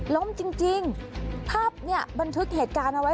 ล้มจริงภาพเนี่ยบันทึกเหตุการณ์เอาไว้